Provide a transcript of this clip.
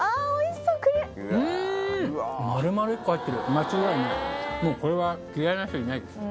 間違いないもうこれは嫌いな人いないです。